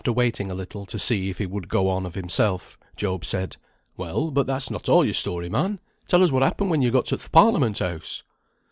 After waiting a little to see if he would go on of himself, Job said, "Well, but that's not a' your story, man. Tell us what happened when yo got to th' Parliament House."